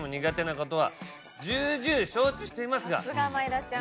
さすが前田ちゃん。